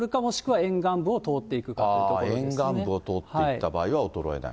沿岸部を通っていった場合は衰えない。